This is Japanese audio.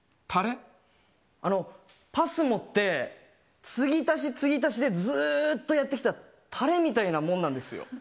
あのＰＡＳＭＯって、継ぎ足し、継ぎ足しでずーっとやってきたタレみたいなものなんですよ。